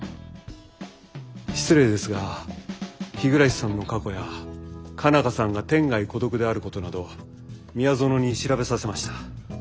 失礼ですが日暮さんの過去や佳奈花さんが天涯孤独であることなど宮園に調べさせました。